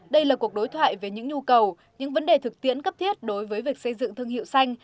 đây là cuộc đối thoại về những nhu cầu những vấn đề thực tiễn cấp thiết đối với việc xây dựng thương hiệu xanh